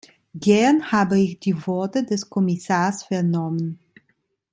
Gern habe ich die Worte des Kommissars vernommen.